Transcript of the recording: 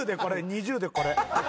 ２０でこれ。